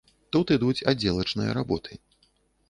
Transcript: Тут ідуць аддзелачныя работы.